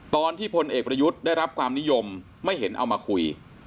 พลเอกประยุทธ์ได้รับความนิยมไม่เห็นเอามาคุย